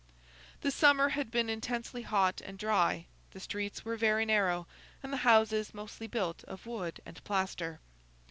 The summer had been intensely hot and dry, the streets were very narrow, and the houses mostly built of wood and plaster.